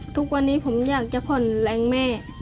ทุกวันนี้ผมอยากจะผ่อนแรงแม่